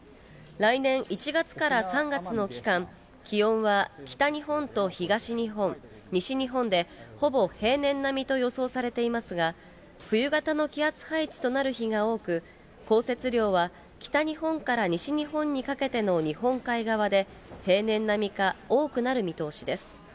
来年１月から３月の期間、気温は北日本と東日本、西日本で、ほぼ平年並みと予想されていますが、冬型の気圧配置となる日が多く、降雪量は北日本から西日本にかけての日本海側で、平年並みか多くなる見通しです。